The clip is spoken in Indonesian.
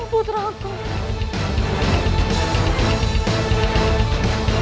bismillah semoga berbahagia